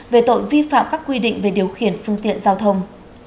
về tội vi phạm các quy định về điều khiển phương tiện giao thông